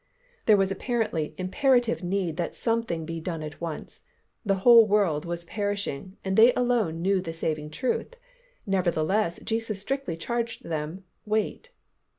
There was apparently imperative need that something be done at once. The whole world was perishing and they alone knew the saving truth, nevertheless Jesus strictly charged them "wait."